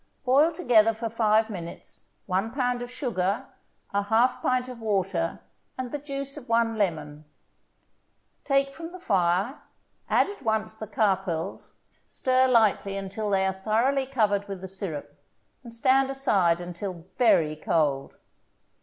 Boil together for five minutes one pound of sugar, a half pint of water and the juice of one lemon; take from the fire, add at once the carpels, stir lightly until they are thoroughly covered with the syrup and stand aside until very cold.